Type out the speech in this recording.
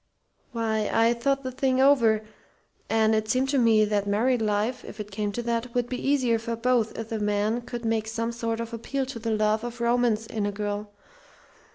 "Why, I thought the thing over, and it seemed to me that married life if it came to that would be easier for both if the man could make some sort of appeal to the love of romance in a girl.